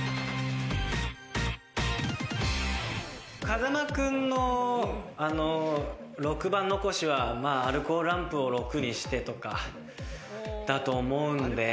風間君の６番残しはアルコールランプを６にしてとかだと思うんで。